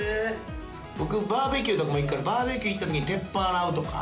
僕バーベキューとかも行くからバーベキュー行った時に鉄板洗うとか。